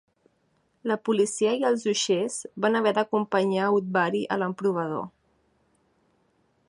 La policia i els uixers van haver d'acompanyar Udvari a l'emprovador.